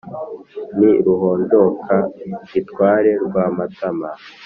Ni ruhonjoka gitware rwamatama